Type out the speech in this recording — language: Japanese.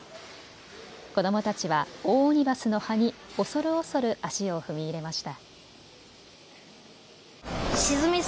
子どもたちはオオオニバスの葉に恐る恐る足を踏み入れました。